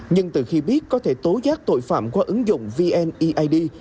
nhưng từ khi biết có thể tố giác tội phạm qua ứng dụng vneid